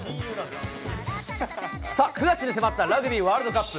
９月に迫ったラグビーワールドカップ。